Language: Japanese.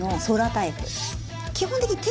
基本的に。